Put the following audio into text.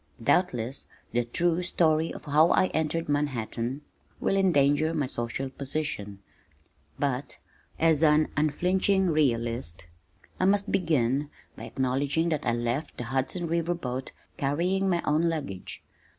Doubtless the true story of how I entered Manhattan will endanger my social position, but as an unflinching realist, I must begin by acknowledging that I left the Hudson River boat carrying my own luggage.